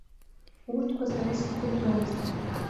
Урҭқәа сара исыздырӡомызт.